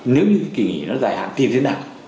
nếu như cái nghị nó dài hạn tiêm thế nào